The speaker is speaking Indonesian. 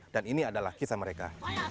dan ini adalah kisah mereka